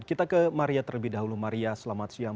kita ke maria terlebih dahulu maria selamat siang